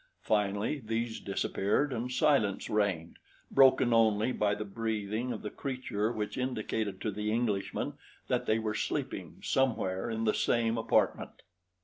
Finally, these disappeared and silence reigned, broken only by the breathing of the creature which indicated to the Englishman that they were sleeping somewhere in the same apartment.